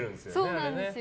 そうなんですよ。